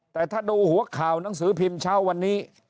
แต่ถ้าดูหัวข่าวหนังสือพิมพ์เช้าวันนี้